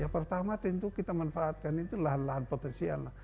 pertama tentu kita manfaatkan lahan lahan potensial